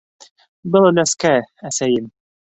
Был өләскә... әсәйем...